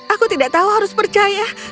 aku tidak tahu harus percaya